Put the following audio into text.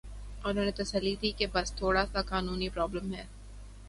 انہوں نے تسلی دی کہ بس تھوڑا سا قانونی پرابلم ہے۔